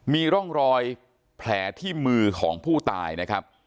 มีร่องรอยแผลที่มือของผู้ตายนะครับ